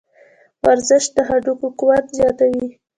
ورزش د هډوکو قوت زیاتوي.